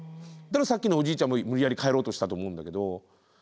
だからさっきのおじいちゃんも無理やり帰ろうとしたと思うんだけど。